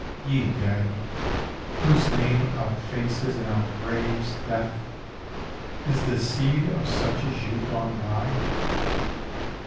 Ye dead, whose name outfaces and outbraves Death, is the seed of such as you gone by?